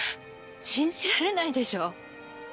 信じられないでしょ？